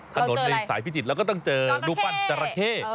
ถนนในสายพิจิตรเราก็ต้องเจอรูปปั้นจราเข้